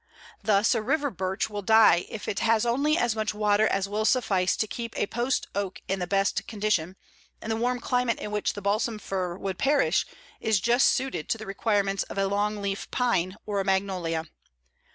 Thus, a river birch will die if it has only as much water as will suffice to keep a post oak in the best condition, and the warm climate in which the balsam fir would perish is just suited to the requirements of a long leaf pine or a magnolia.